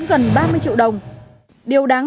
gần ba mươi triệu đồng điều đáng